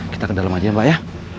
kita ke dalam aja ya mbak ya